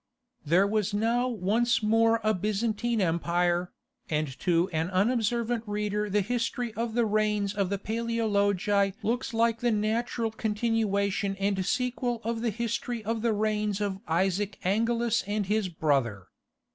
There was now once more a Byzantine empire, and to an unobservant reader the history of the reigns of the Paleologi looks like the natural continuation and sequel of the history of the reigns of Isaac Angelus and his brother.